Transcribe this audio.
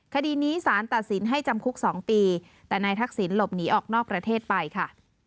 คดีนี้สารตัดสินให้จำคุก๒ปีแต่นายทักษิณหลบหนีออกนอกประเทศไปค่ะ